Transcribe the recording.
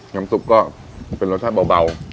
น้ำซุปก็เป็นรสชาติเบา